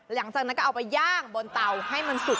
หลังจากนั้นก็เอาไปย่างบนเตาให้มันสุก